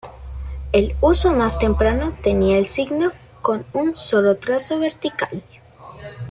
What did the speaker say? El uso más temprano tenía el signo con un solo trazo vertical.